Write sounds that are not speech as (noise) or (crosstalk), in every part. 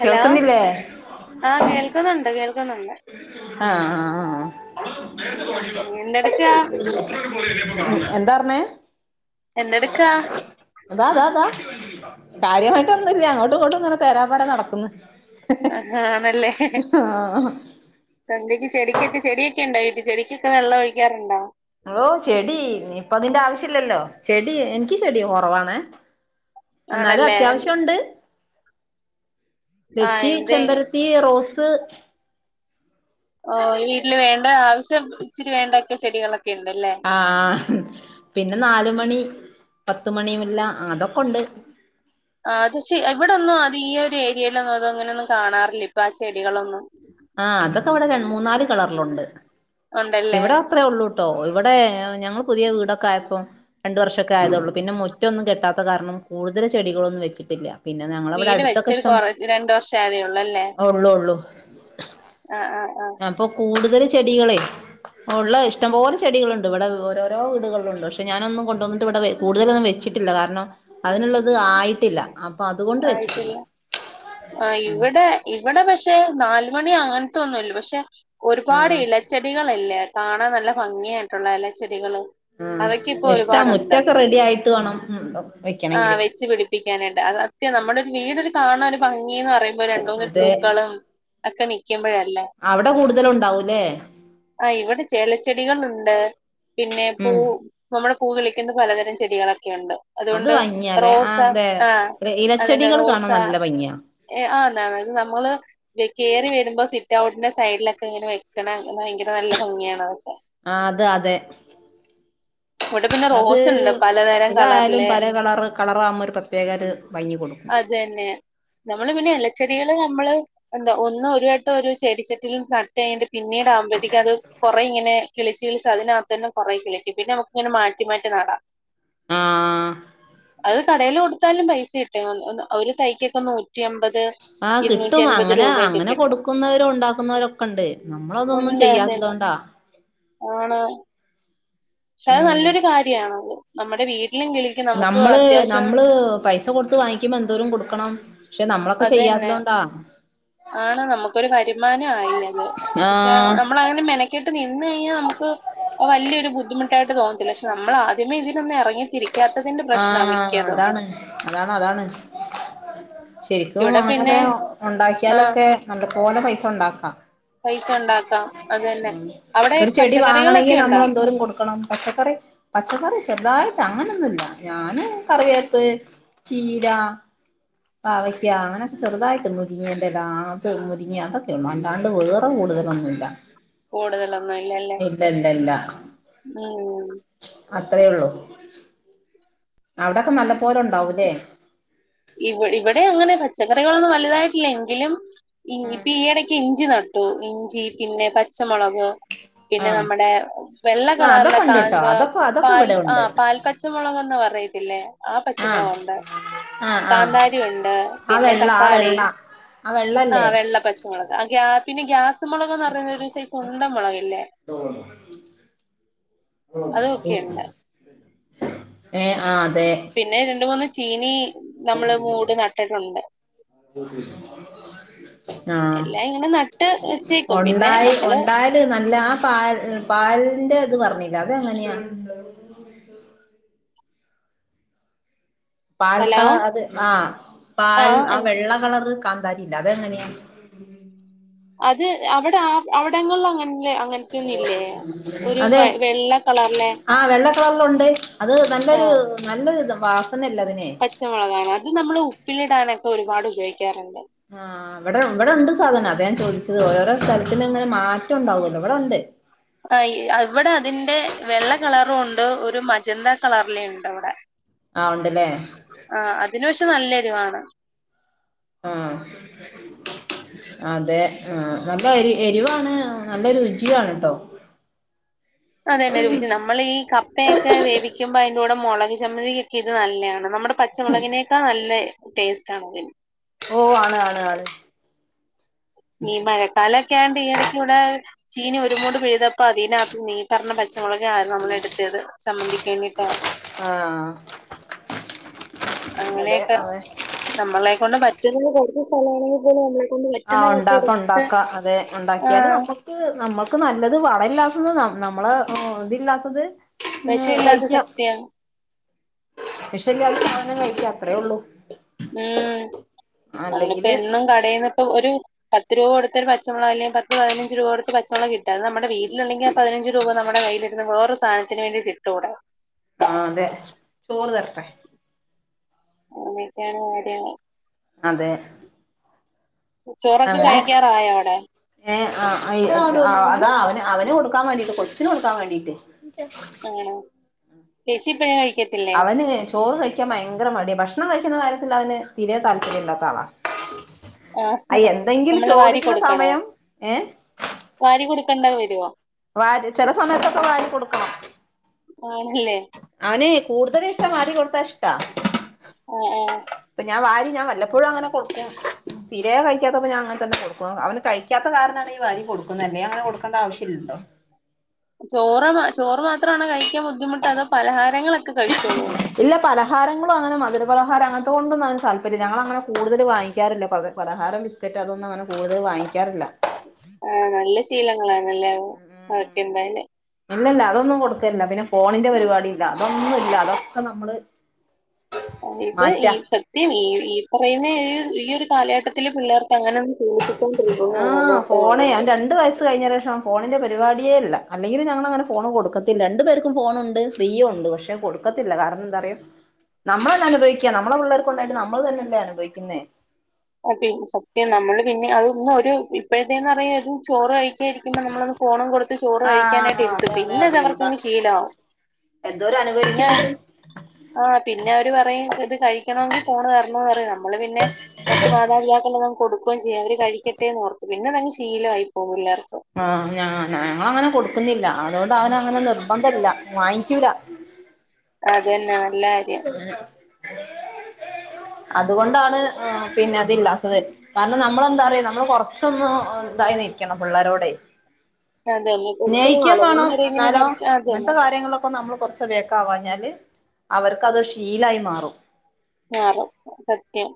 Hello കേൾക്കുന്നില്ലേ ആഹ് കേൾക്കുന്നുണ്ട് കേൾക്കുന്നുണ്ട് ആഹ് ആഹ് ആഹ് ഉം എന്തെട്ക്കാ എന്താർഞ്ഞേ? എന്തെടുക്കാ? അതാ അതാ അതാ കാര്യമായിട്ടൊന്നുല്ല അങ്ങോട്ടും ഇങ്ങോട്ടും ഇങ്ങനെ തേരാപ്പാര നടക്കുന്ന്. ആഹ് ആണല്ലേ ആഹ് സന്തിക്ക് ചെടിക്കൊക്കെ ചെടിയെക്കെ ഒണ്ടോ വീട്ടി ചെടിക്കൊക്കെ വെള്ളം ഒഴിക്കാറുണ്ടോ ഓഹ് ചെടി ഇനിപ്പ അതിന്റെ ആവശ്യ ഇല്ലല്ലോ ചെടി എനിക്കി ചെടി കൊറവാണ് എന്നാലും ആണല്ലേ അത്യാവശ്യംണ്ട് ആഹ് തെച്ചി എന്റെ ചെമ്പര ഈ റോസ് ഓഹ് വീട്ടില് വേണ്ട ആവശ്യം ഇച്ചിരി വേണ്ടോക്കെ ചെടികളൊക്കെ ണ്ട്ല്ലേ ആഹ് പിന്നെ നാലുമണി പത്തുമണിമുല്ല അതൊക്കെ ഉണ്ട് ആഹ് അത് ശെ ഇവിടെന്നും അത് ഈ ഒരു ഏരിയിലൊന്നും അത് അങ്ങനൊന്നും കാണാറില്ല ഇപ്പ ആഹ് ചെടികളൊന്നും ആഹ് അതൊക്ക ഇവിട രണ്ട് മൂന്നാല് കളറ്ലുണ്ട് ഉണ്ടല്ലേ ഇവിട അത്രയേ ഉള്ളൂട്ടോ ഇവിടെ ഞങ്ങള് പുതിയ വീടൊക്കെ ആയപ്പോ രണ്ടു വർഷൊക്കെ ആയതോള്ളൂ പിന്നെ മുറ്റൊന്നും കെട്ടാത്ത കാരണം കൂടുതൽ ചെടികളൊന്നും വെച്ചിട്ടില്ല. പിന്നെ ഞങ്ങളവിടെ വീട് അടുത്തൊക്കെ വെച്ചൊരു ഇഷ്ടം കൊറ രണ്ട് വർഷം ആയതേ ഉള്ളൂ അല്ലേ ഉള്ളൂ ഉള്ളു. ആഹ് ആഹ് ആഹ് അപ്പൊ കൂടുതൽ ചെടികളെ ഉള്ള ഇഷ്ടം പോലെ ചെടികളുണ്ട്. ഇവിടെ ഓരോരോ വീടുകളിലുണ്ട് പക്ഷെ ഞാനൊന്നും കൊണ്ട് വന്നിട്ട് ഇവിടെ വെ കൂടുതലൊന്നും വെച്ചിട്ടില്ല കാരണം അതിനുള്ളത് ആയിട്ടില്ല അ ആയിട്ടില്ല ആഹ് ഇവിടെ ഇവിടെ പക്ഷെ നാലുമണി അങ്ങനത്തൊന്നുല്ല പക്ഷെ ഒരുപാട് ആഹ് ഇല ചെടികളില്ലേ കാണാൻ നല്ല ഭംഗിയായിട്ടുള്ള ഇല ചെടികള്. ആഹ് ഇഷ്ടാ മുറ്റൊക്കെ റെഡി ആയിട്ട് വേണം ഉം വെക്കണെങ്കില്. പ്പിക്കാനായിട്ട് അത് അത്യ നമ്മുടെ ഒരു വീട് ഒരു കാണാൻ ഒരു ഭംഗിന്ന് പറയിപി രണ്ടൂന്നു അതെ പൂക്കളും ഒക്കെ നൽക്കുമ്പോഴല്ലേ? അവിടെ കൂടുതല് ഉണ്ടാവൂല്ലേ? ആ ഇവിടെ ചെലച്ചെടികളുണ്ട് പിന്നെ പൂ ഉം നമ്മുടെ പൂ കളിക്കുന്ന പലതരം ചെടികളൊക്കെയുണ്ട്. അത് അതുകൊണ്ട് ഭംഗിയാല്ലേ ആ റോസ അതെ ആഹ് അതന്നെ ഇലച്ചെടികൾ റോസ കാണാൻ നല്ല ഭംഗിയാ ഏഹ് ആഹ് എന്നാ അത് നമ്മള് കേറി വരുമ്പോൾ സിറ്റ് ഔട്ടിന്റെ സൈഡിലൊക്കെ ഇങ്ങനെ വെക്കണം. ഭയങ്കര നല്ല ഭംഗിയാണ് അതൊക്കെ ആഹ് അത് അതെ. ഇവിടെ പിന്നെ റോസ്ണ്ട് പല എല്ലായാലും പലേ കളർ കളറാവുമ്പോ ഒരു പ്രത്യേക ഒരു ഭംഗി കൊടുക്കും. അതെന്നെ നമ്മള് പിന്നെ ഇലച്ചെടികള് നമ്മള് എന്താ ഒന്ന് ഒരു വട്ടം ഒരു ചെടിച്ചെട്ടില് നട്ട് പിന്നീട് ആകുമ്പഴത്തേക്ക് അത് കുറെ ഇങ്ങനെ കിളിച്ച് കിളിച്ച് അതിനകത്ത് തന്നെ കൊറേ കിളിക്കും പിന്നെ അമ ഇങ്ങനെ മാറ്റി മാറ്റി നടാം. ആഹ് അത് കടയിൽ കൊടുത്താലും പൈസ കിട്ടും ഒന്ന് ഒരു തൈക്കൊക്കെ നൂറ്റി അമ്പത്. ആഹ് ഇരുന്നൂറ്റി കിട്ടും അൻപത് അങ്ങനെ രൂപയൊക്കെ അങ്ങനെ കിട്ടും കൊടുക്കുന്നവരു ഉണ്ടാക്കുന്നവരൊക്കെ ഉണ്ട് നമ്മള അതൊന്നും ഉണ്ട് ചെയ്യാത്തത് അതന്നെ കൊണ്ടാ. ആണ് പക്ഷെ അത് ഉം നല്ലൊരു കാര്യാണത്. നമ്മുടെ വീട്ടിലെങ്കിൽ നമ്മള് നമ്മള് പൈസ കൊടുത്ത് വാങ്ങിക്കുമ്പോ എന്തോരം കൊടുക്കണം. പക്ഷെ നമ്മളൊക്കെ അത് തന്നെ ചെയ്യാത്തത് കൊണ്ടാ ആണ് നമുക്കൊരു വരുമാനായി അത് ആ പക്ഷെ നമ്മള അങ്ങനെ മെന ക്കേട്ട് നിന്ന് കഴിഞ്ഞാ നമുക്ക് വാല്യൊരു ബുദ്ധിമുട്ടായിട്ട് തോന്നത്തില്ല പക്ഷെ നമ്മളാദ്യമേ ഇതിനൊന്ന് ഇറങ്ങി തിരി ഇറങ്ങിത്തിരിക്കും ക്കാത്തതിന്റെ ആ പ്രശ്നാ മിക്കതും. അതാണ് അതാണ് അതാണ് ശരിക്കും ഇവിടെ പിന്നെ അങ്ങനെയൊക്കെ ആ ഉണ്ടാക്കിയാലൊക്കെ നല്ല പോലെ പൈസ ഉണ്ടാക്കാം. പൈസ ഉണ്ടാക്കാം. അത് തന്നെ അവിടെ ഒരു ചെടി വാങ്ങണെങ്കി പച്ചക്കറികളൊക്കെ ഉണ്ടോ നമ്മളെന്തോരം കൊടുക്കണം പച്ചക്കറി പച്ചക്കറി ചെറുതായിട്ട് അങ്ങനൊന്നുല്ല ഞാന് കറിവേപ്പ്, ചീര, പാവയ്ക്ക, അങ്ങനൊ ചെറുതായിട്ട് മുരിങ്ങന്റെല അത് മുരിങ്ങ്യ അതൊക്കെ ഉള്ളൂ അല്ലാണ്ട് വേറെ കൂടുതലൊന്നുല്ല. കൂടുതലൊന്നും ഇല്ല ല്ലേ ഉം അത്രയേ ഉള്ളു. അവിടൊക്കെ നല്ല പോലെ ഉണ്ടാവൂല്ലേ? ഇ ഇവിടെ അങ്ങനെ പച്ചക്കറികളൊന്നും വലുതായിട്ടില്ലെങ്കിലും ഇപ്പൊ ഈയിടക്ക് ഇഞ്ചി നടു ഉം ഇഞ്ചി പിന്നെ പച്ചമുളക് പിന്നെ ആഹ് നമ്മടെ വെള്ള ആ കളറ്ള്ള അതൊക്കെ ഉണ്ട് ട്ടോ കന്തോ.. അതൊക്കെ അതൊക്കെ പാൽ ഇവിടെ ആ ഉണ്ട് പാൽക്ക പച്ചമുളകൊന്ന് പറയത്തില്ലേ ആ ആഹ് പച്ചമുളകുണ്ട്. ആഹ് ആഹ് കാന്താരിയുണ്ട് ആ പിന്നെ വെള്ള ആ തക്കാളി വെള്ള ആ വെള്ളപ്പച്ചമുളക് അ ഗ്യാ പിന്നെ ഗ്യാസ് മുളക്ന്ന്റഞാ പിന്നെ ഒരു സൈസുണ്ടമളക് ല്ലേ അതൊക്കെ ഉണ്ട് (unintelligible) ഏ ആഹ് അതെ പിന്നെ രണ്ട്മൂന്ന് ചീനി നമ്മള് മൂട് നട്ടിട്ടുണ്ട് (unintelligible) ആഹ് എല്ലാം ഇങ്ങനെ നട്ട് വെച്ചേക്കും പിന്നെ ഒണ്ടായി നമ്മള് ഒണ്ടായി ത് നല്ലാ ആ പാ പാലിന്റെത് പറഞ്ഞിലെ അതെങ്ങനെയാ? പാൽ ഹലോ കളഅത് അഹ് പാൽ ആ വെള്ള കളറ്കാന്താരിണ്ട് അതെങ്ങനെയാ? അത് അവിടെ ആ അവിടങ്ങളില് അങ്ങനന്നെയാ അങ്ങനതൊനില്ലേ ഒര് അതെ വൈ വെള്ള കളറ്ല്ലേ ആ വെള്ളക്കളറലുണ്ട് അത് നല്ലൊരു നല്ലൊരുത് വാസനല്ലതിന്. പച്ചമുളകാണൊ അത് നമ്മള് ഉപ്പിലിടാനൊക്കെഒരുപാട് ഉപയോഗിക്കാറുണ്ട്. ആഹ് ഇവിടെഇവിടെണ്ട് സാധനം അതെഞാൻ ചോദിച്ചത് ഓരോരോ സ്ഥലത്തിനങ്ങനെ മാറ്റംണ്ടാവല്ലോ.. ഇവിടെ ഉണ്ട്. അയ് വടതിന്റെ വെള്ള കളറുണ്ട് ഒരു മജന്ത കളറിലേണ്ട്ഇവടെ. ആ ഉണ്ട്ലെ? ആ അതിന്പഷേ നല്ലെരിവാണ്. ആഹ്. (inaudible) അതെ ആ അപ്പെരിവാണ് ആ നല്ലരുചിയാണ് ട്ടോ. അതെന്നെ രുചി നമ്മളീ കപ്പയൊക്കെ വേവിക്കിമ്പോ അയ്ന്റുടെ മുളക് ചമ്മന്തികിക്കി ത് നല്ലെയാണ്. പച്ചമുളകിനേക്കാ നല്ല ടേസ്റ്റ് ആണ്ത്. ഓ ആണ് ആണ് ആണ്. ക്യാമ്പിയറകൂടെ ചീനി ഒരുമൂട് പിഴുത തപ്പൊ അതിനകത്ത് നീ പറഞ്ഞ പച്ചമുളക് ആ നമ്മള് എടുതേത് ചമ്മന്തിക്ക്‌വേണ്ടിട്ട് ആഹ് അതെ അങ്ങനെയെക്കെ അതെ നമ്മളെക്കൊണ്ട് പറ്റ്ന്നത് കുറച്ച് സ്ഥലമാണെങ്കില് പോലും കൊണ്ട് ആ പറ്റുന്നതൊക്കെ ഉണ്ടാക്ക എടുത്ത് ഉണ്ടാക്ക അതെ ആ ഉണ്ടാക്കിയാല് നമ്മ ക്ക് നമ്മക്ക് നല്ലത് വളല്ലാത്തത് നമ്മള് ഓ തില്ലാത്തത് ങ് വിഷമില്ലാത്ത വൈക്യാം. സത്യാണ് (unintelligible) കഴിക്കാ അത്രേഉള്ളു. ആഹ് നിപ്പെന്നും കടേന്ന് ഇപ്പ ഒരു പത്ത് രൂപ കൊടുത്തൊരു പച്ചമുളാങ്കിലും പത്ത്പയ്നഞ്ച് രൂപ കൊടുത്ത് പച്ചമളക് കിട്ടും. അത് നമ്മുടെവീട്ടിലുണ്ടെങ്കി ആ പതിനഞ്ച് രൂപ നമ്മടെ കയ്യിലിരുന്ന് വേറൊരുസാധനത്തിന് വേണ്ടിട്ടിട്ടൂടെ? ആ അതെ ചോറ് തരട്ടെ അങ്ങനെയക്കാണ് കാര്യങ്ങള്. അതെ. ചോറൊക്ക അങ്ങനെ കഴിക്കാറായ അവ്ടെ? ഏ അ അയ് അ അതാ അവന് അവന് കൊടുക്കാൻ വേണ്ടീട്ട് കൊച്ചിന് കൊടുക്കാൻവേണ്ടീട്ട്. ആഹ് ചേച്ചിപ്പഴാ അവന് ചോറ് വെ കഴിക്കാൻ ഭയങ്കര മടിയ ഭക്ഷണം കഴിക്കുന്ന കാര്യത്തിൽ അവന് തീരെതാല്പര്യം ഇല്ലാത്ത ആളാ. ആഹ് അയ് എന്തെങ്കിലും നമ്മള് വാരി ചോദിക്കുന്ന കൊടുക്കണോ സമയം എ വാരി കൊടുക്കണ്ടത് വരോ? വാര് ചെലസമയത്തൊക്കെ വാരി കൊടുക്കണം ആണല്ലേ (unintelligible) അവന് കൂടുതലിഷ്ട്ടം വാരി കൊടുത്താ ഇഷ്ടാ ആഹ് ആഹ് പ്പ ഞാ വാരി ഞാൻ വല്ലപ്പോഴങ്ങനെ കൊടുക്കും തീരേ കഴിക്കാത്തപ്പ ഞാ അങ്ങതന്നെകൊട്ക്കു അ അവന് കഴിക്ക പിക്കാത്ത കാരണ വാരി കൊടുന്നതന്നെ അങ്ങന കൊക്കേണ്ട ആവശ്യല്ലല്ലോ ചോറ് ചോറ് മാത്രമാണ് കഴിക്കാൻ ബുദ്ധിമുട്ട് അതോ പലഹാരങ്ങളൊക്കെ കഴിച്ചോളൂ ഇല്ല പലഹാരങ്ങളും അങ്ങനെ മധുരപലഹാരം അങ്ങനത്ത ഒന്നും അവന് താല്പര്യം ല്ലാഞങ്ങളങ്ങനെ കൂടുതൽ വാങ്ങിക്കറില്ല പലഹാരം ബിസ്ക്കറ്റ് അതൊന്നും അതങ്ങനെ കൂടുതൽ വാങ്ങിക്കറില്ല ആ് നല്ല ശീലങ്ങളണല്ലേ അതൊക്കെ എന്തായലും ഇല്ല ഇല്ല അതൊന്നും കൊടുക്കില്ല പിന്നെ ഫോണിന്റെ പരിപാടി ഇല്ല അതൊന്നും ഇല്ല അതൊക്കെ നമ്മള് ഇത് ഈ മാറ്റാ സത്യം ഈ ഈ പറയുന്ന ഈ ഒരു കാലഘട്ടത്തില് പിള്ളേർക്ക് അങ്ങനെ ഒന്നും ചൂപ്പിക്കൊണ്ടിരിക്കു (inaudible) ന്ന ണ് അഥംണ്ട് അത്കഴിഞ്ഞ ശേഷം ഫോണിന്റെ പരിപാടിയേല്ല അല്ലെങ്കിലും ഞങ്ങളങ്ങനെ ഫോൺ കൊടുക്കത്തില്ല രണ്ട് പേർക്കും ഫോണണ്ട് ഫ്രീയും ഉണ്ട് പക്ഷേ കൊടുക്കത്തില്ല കാരണം എന്താ അറിയോ നമ്മളന്നാഅനുഭവിക്കുക നമ്മടെ ഫിള്ളേർക്കൊള്ളത് നമ്മള് തന്നെല്ല അനുഭവിക്കുന്നേ സത്യം നമ്മള് പിന്നെ അതന്ന് ഒരു ഇപ്പോഴത്തെന്ന് പറയ ചോറ് കഴിക്കായിരിക്കുമ്പോ നമ്മള ഫോണും കൊടുത്ത്ചോറ് ആഹ് കഴിക്കാനായിട്ട് അതെ ഇരുത്തും പിന്നെ അത് അവർക്ക് അങ്ങ ശീലമാവും എന്തോര അനുഭവിക്കുന്നണ്ട് ആ പിന്നെ അവര് പറയും ഇത് കഴിക്കണമെങ്കിൽ ഫോണ് തരണന്ന് പറയും നമ്മള് പിന്നെ കുട്ടി മാതാതാക്കളെ നമ്മു കൊടുക്കുകയും ചെയ്യും അവര് കഴിക്കട്ടെന്ന് ഓർത്ത് പിന്നെ അതങ്ങ് ശീലമായി പോകും പിള്ളേർക്ക് ആഹ ഞാ ഞങ്ങ അങ്ങനെ കൊടുക്കുന്നില്ല അതുകൊണ്ട് അവന അങ്ങനെ നിർബന്ധ ഇല്ല വാങ്ങിക്കൂല അത തന്നെ നല്ല കാര്യം അതുകൊണ്ടാണ് പിന്നെ അതില്ലാത്തത് കാരണം നമ്മളെന്താറിയോ നമ്മള് കൊറച്ചൊന്ന് ഇതായി നിക്കണം പിള്ളരോടെ അതന്നെ കൊടുക്കുന്ന സ്നേഹിക്കേം വേണം അളവെന്നവരെങ്കിലും എന്നാലോ കുറച്ച് അതന്നെ അങ്ങനത്തെ കാര്യങ്ങളൊക്കെ നമ്മൾ കുറച്ച് അതൊയൊക്കാവാഞ്ഞാല് അവർക്കത് ശീലായി മാറും ആ അതെ സത്യം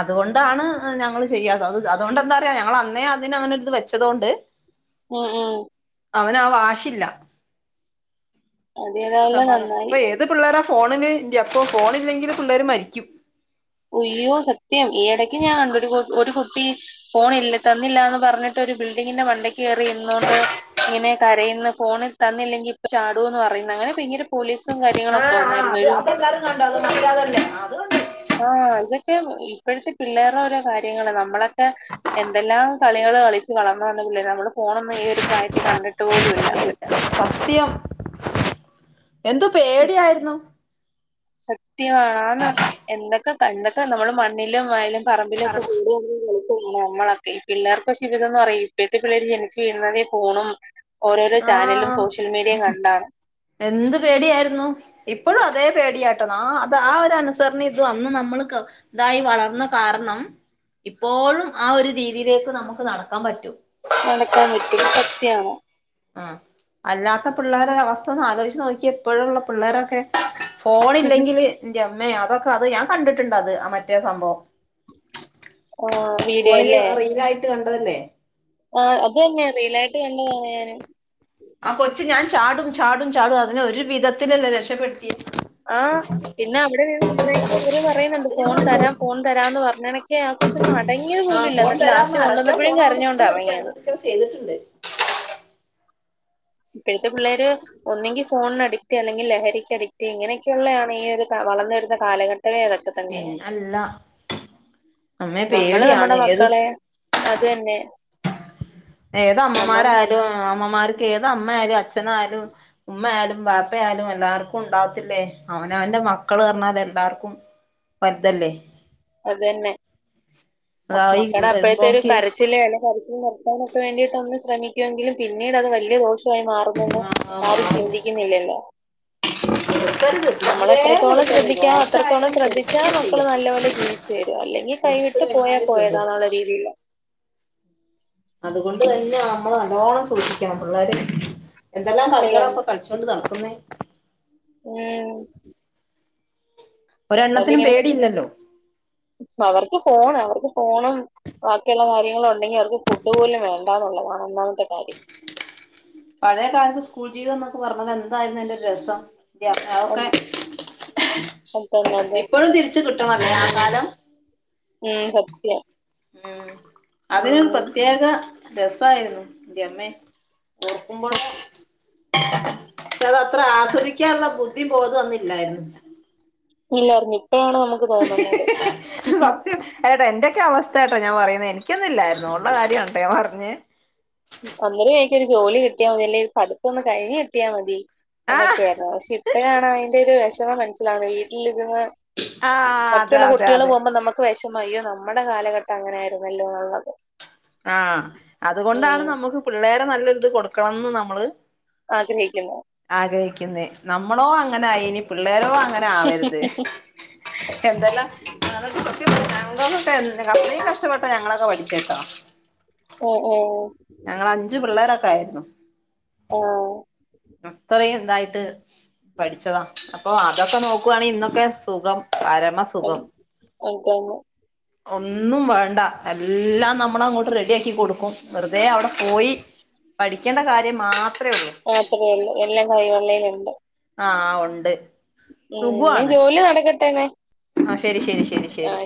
അതുകൊണ്ടാണ് ഞങ്ങൾ ചെയ്യാതത്അത് അതുകൊണ്ട് എന്താറിയോഞങ്ങൾ അന്നേ അതിനങ്ങനെ വെച്ചതൊണ്ട് ഉം ഉം അവന ആ വാശില്ല അത് ഏതായാലും സമാധാനം നന്നായി ഇപ്പൊ ഏത് പിള്ളേരാ ഫോണിന് അപ്പൊ ഫോണ ഇില്ലെങ്കിലും പിള്ളേർ മരിക്കും അയ്യോ സത്യം ഈ ഇടയ്ക്ക് ഞാൻ അറിഞ്ഞു ഒരു കുട്ടി ഫോണ തന്നില്ലാന്ന് പറഞ്ഞിട്ട് ഒരു ബിൽഡിങ്ങിന്റെ മണ്ടയ്ക്ക് കേയറി ഇരുന്നൊണ്ട് ഇങ്ങനെ കരയന്ന് ഫോണിൽ തന്നില്ലെങ്കിൽ ഇപ്പൊ ചാടുന്ന് പറയുന്നു അങ്ങനെ പോലീസും കാര്യങ്ങളൊക്കെ വന്നായിരുന്നു ഒരു ണ്ട അത് മതല്ലേ അ (inaudible) ആഹ ഇതൊക്കെ ഇപ്പോഴത്തെ പിള്ളേരു ഓരോ കാര്യങ്ങള് നമ്മളൊക്കെ എന്തെല്ലാം കളികള് കളിച്ച് വളർന്നു വന്ന പിള്ളേരാ നമ്മള് ഫോണൊന്ന ഈ ഒരു പ്രായത്തിൽ കണ്ടിട്ട് പോലുമില്ല സത്യം എന്ത്പേടിയായിരുന്നു സത്യണ് എന്തൊക്കെ എന്തൊക്കെ നമ്മള് മണ്ണിലും വയലും പറമ്പിലും ഒക്കെ കൂട നമ്മളൊക്കെ ഈ പിള്ളേർക്ക് പക്ഷെ തംന്ന് പറയും ഇപ്പഴത്തെ പിള്ളേര് ജനിച്ചു വീഴുന്നതേ ഫോണും ഓരോരോ ചാനലും ആഹ് സോഷ്യൽ മീഡിയയും കണ്ടാണ് എന്ത് പേടിയായിരുന്നു ഇപ്പോഴും അതേ പേടിയാട്ടോ അത് ആ ഒരു അനുസരണം ഇത് വന്ന് നമ്മൾക്ക് ഇതായി വളർന്ന കാരണം ഇപ്പോഴും ആ ഒരു രീതിയിലേക്ക് നമുക്ക് നടക്കാൻ പറ്റും നടക്കാൻ പറ്റും സത്യണ് ആ അല്ലാത്ത പിള്ളേരെ അവസ്ഥ ഒന്ന് ആലോചിച്ച് നോക്കിയേ ഇപ്പോഴുംള്ള പിള്ളേരൊക്കെ ഫോണ് ഇല്ലെങ്കില് എന്റെ അമ്മേ അതൊക്കെ അത് ഞാൻ കണ്ടിട്ടുണ്ട് അത് ആ മറ്റേ സംഭവം ആ വീഡിയോ ഫോണില് അല്ലേ? റീലായിട്ട് കണ്ടതല്ലേ ആ അത് തന്നെ റീലായിട്ട് കണ്ടതാണ് ഞാനും ആ കൊച്ച് ഞാൻ ചാടും ചാടും ചാടും അതിനെ ഒരു വിധത്തിലല്ലേ രക്ഷപ്പെടുത്തിയെ ആ പിന്നെ അവിടെനിന്ന് എന്തരക്കെയോ അവർ പറയുന്നുണ്ട് അത് ഞാൻ ഫോൺ കണ്ടു തരാം ഫോൺ തരാന്ന് പറഞ്ഞണക്കെയാ കൊറച്ച് ഒന്നടങ്ങിയത് ആഹ് പോലുംല്ല ഫോൺ എന്നിട്ട് ലാസ്റ്റ് കൊണ്ടുവന്നപ്പോഴും കരഞ്ഞോണ്ടാ ഇറങ്ങിയത് ക്കെ ചെയ്തിട്ടിണ്ട് ഇപ്പഴത്തെ പിള്ളേര് ഒന്നെങ്കി ഫോണിന് അഡിക്റ്റ് അല്ലെങ്കിൽ ലഹരിക്ക് അഡിറ്റ് ഇങ്ങനെയൊക്കെയുള്ളയാണ് ഈ ഒരു വളർന്ന് വരുന്ന കാലഘട്ടവേ അതൊക്കെ തന്നെ പിന്നെ അല്ല അമ്മേ നമ്മള് പേടിയാണ് നമ്മടെ ഏത് മക്കളെ അതന്നെ ഏതമ്മമാരായാലും അമ്മമാർക്ക് ഏത് അമ്മയാലും അച്ഛ അച്ഛനായാലും ഉമ്മ ആയാലും ബാപ്പ പ്പയാലും എല്ലാർക്കും ഉണ്ടാവത്തില്ലേ അവനവന്റെ മക്കള് പറഞ്ഞാൽ എല്ലാർക്കും വൽതല്ലേ അതന്നെ അതായി മക്കള അപ്പോഴത്തെ ഒരു വരുമ്പോക്ക് കര ച്ചില്ലേ കരച്ചില് നിത്താനൊക്കെ വേണ്ടിട്ട് ഒന്ന് ശ്രിക്കുമെങ്കിലും പിന്നീട് അത് വലിയ ദോഷം ഇത്രേ മാറുമെന്ന് ആഹ് ആരും മാറും ചിന്തിക്കുന്നില്ലല്ലോ കൊടുക്കരുത് നമ്മൾ തീരെ എത്രത്തോളം കൊടുക്കരുത് ശ്രദ്ധിക്കാവൊ ദോശ അത്രത്തോളം ആയാലും ശ്രദ്ധിച്ചാ കൊടുക്കന്നെ മക്കള് ചെയ്യരുത് നല്ലപോലെ ജീവിച്ചു വരും അല്ലെങ്കിൽ കൊടുത്ത് കൈവിട്ട് പോയാ കഴിഞ്ഞാല് കെടും പോയതാന്നുള്ള രീതിയില് അതുകൊണ്ട് തന്നെ നമ്മള് നല്ലോണം സൂക്ഷിക്കണം പിള്ളേര് എന്തെല്ലാം അത് കളികള അപ്പൊ കളിച്ചൊണ്ട് നടക്കുന്നേ ഉം ഒരെണ്ണത്തിനും (unintelligible) പേടിയില്ലല്ലോ അവർക്ക് പോണം അവർക്ക് പോണം ബാക്കിയുള്ള കാര്യങ്ങൾ ഒണ്ടെങ്കി അവർക്ക് ഫുഡ് പോലും വേണ്ടാന്നുള്ളതാണ് ഒന്നാമത്തെ കാര്യം പഴേ കാലത്ത് സ്കൂൾ ജീവിതം എന്നൊക്ക പറഞ്ഞത് എന്തായിരുന്നു അതിന്റെരുരസം ന്റമ്മേ അതൊക്കെ അതന്നെ അതെ ഇപ്പോഴും തിരിച്ച് കിട്ടണല്ലേ ആ ഉം കാലം ഉം സത്യം ഉം അതിനും ഉം പ്രത്യേക രസമായിരുന്നു ന്റമ്മേ ഓർക്കുമ്പോളെ പക്ഷെ അത് അത്ര ആസ്വദിക്കാനുള്ള ബുദ്ധി ബോധവും അന്നില്ലാരുന്ന് ഇല്ലാരുന്ന് ഇപ്പഴാണ് നമുക്ക് തോന്നുന്നത് എടാ എന്റക്കോ അവസ്ഥയാട്ടോ ഞാൻ പറയുന്നെ എനിക്കൊന്നും ഇല്ലായിരുന്നു ഉള്ള കാര്യണ് കേട്ടോ ഞാൻ പറഞ്ഞെ ഒന്നെങ്കി എനിക്ക് ഒരു ജോലി കിട്ടിയാൽ മതി അല്ലെ പഠിത്തം ഒന്ന് കഴിഞ്ഞ് കിട്ടിയ മതി ആഹ് എന്നൊക്കെയായിരുന്നു പക്ഷെ ഇ ഇപ്പഴാണ് അതിന്റെ ഒരു വിഷമം മനസ്സിലാകുന്നെ വീട്ടിലിരുന്ന് ആഹ് അതെ മറ്റുള്ള അതെ കുട്ടികൾ അതെ പോകുമ്പോ നമ്മക് ക്ക് വിഷമ അയ്യോ നമ്മുടെ കാലഘട്ടം അങ്ങനെ ആരുന്നല്ലോന്നൊള്ളത് ആഹ് അതുകൊണ്ടാണ് നമ്മുക്ക് പിള്ളേരെ നല്ലൊരിത് കൊടുക്കണംന്ന് നമ്മള് ആഗ്രഹിക്കുന്നു ആഗ്രഹിക്കുന്നെ നമ്മളോ അങ്ങനായി ഇനി പിള്ളേരോ അങ്ങനെ ആവരുത് (unintelligible) എന്തെല്ലാം ഞന്നൊക്കെ (unintelligible) അത്രക്ക് കഷ്ടപ്പെട്ടോ ഞങ്ങളൊക്കെ പഠിച്ച കേട്ടോ ഉം ഉം ഞങ്ങൾ അഞ്ചു പിള്ളേരൊക്കെ ആയിരുന്നു ആഹ് അത്രയും ഇതായിട്ട് പഠിച്ചതാ അപ്പൊ അതൊക്കെ നോക്കുവാണെങ്കി ഇന്നൊക്കെ സുഖം ഉം പരമസുഖം അതന്നെ ഒന്നും വേണ്ട എല്ലാം നമ്മൾ അങ്ങോട്ട് റെഡി ആക്കി കൊടുക്കും വെറുതെ അവിടെ പോയി പഠിക്കണ്ട കാര്യം മാത്രേയുള്ളു മാത്രേ ഉള്ളൂ എല്ലാം കൈവെള്ളയിലുണ്ട് ആഹ് ഒണ്ട് ഉം ഇനി ജോലി നടക്കട്ടെന്നെ ആഹ് ശരി ശരി ശരി ശരി